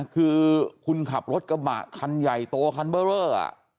คือคุณขับรถกระบะคันใหญ่โตคันเบอร์เรอร์